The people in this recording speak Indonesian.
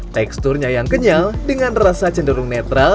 teksturnya yang kenyal dengan rasa cenderung netral